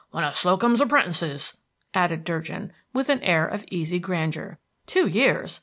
One of Slocum's apprentices," added Durgin, with an air of easy grandeur. "Two years?